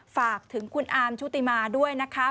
ฝากถึงคุณอาร์มชุติมาด้วยนะคะ